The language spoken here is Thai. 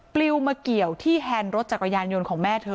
ปลิวมาเกี่ยวที่แฮนด์รถจักรยานยนต์ของแม่เธอ